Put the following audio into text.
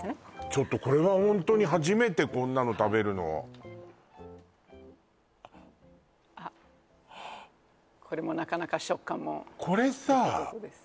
ちょっとこれはホントに初めてこんなの食べるのあっこれもなかなか食感も独特です